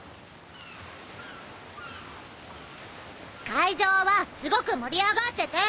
会場はすごく盛り上がってて！